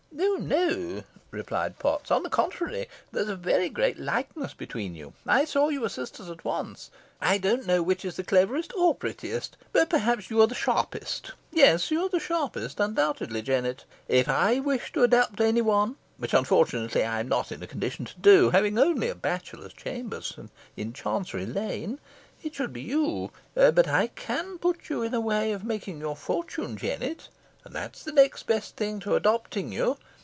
"No, no," replied Potts, "on the contrary, there's a very great likeness between you. I saw you were sisters at once. I don't know which is the cleverest or prettiest but perhaps you are the sharpest. Yes, you are the sharpest, undoubtedly, Jennet. If I wished to adopt any one, which unfortunately I'm not in a condition to do, having only bachelor's chambers in Chancery Lane, it should be you. But I can put you in a way of making your fortune, Jennet, and that's the next best thing to adopting you.